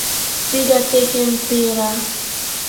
Piga teke mpira